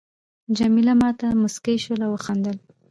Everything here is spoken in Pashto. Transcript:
جميله ما ته مسکی شول او وخندل.